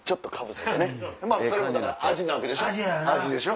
それも味なわけでしょ？